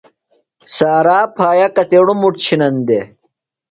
سارا پھایہ کتیݨُوۡ مُٹ چِھنن دےۡ؟